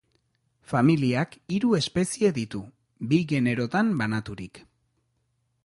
Familiak hiru espezie ditu, bi generotan banaturik.